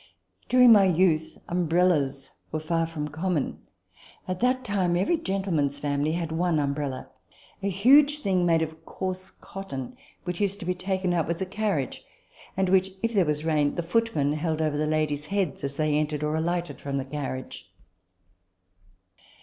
During my youth umbrellas were far from com mon. At that time every gentleman's family had one umbrella a huge thing, made of coarse cotton which used to be taken out with the carriage, and * Act iii. so. 3. TABLE TALK OF SAMUEL ROGERS 21 which, if there was rain, the footman held over the ladies' heads, as they entered, or alighted from, the carriage.